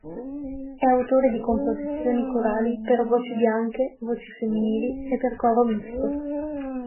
È autore di composizioni corali per voci bianche, voci femminili e per coro misto.